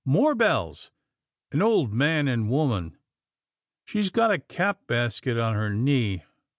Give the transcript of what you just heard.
More bells — an old man and woman. She's got a cap basket on her knee.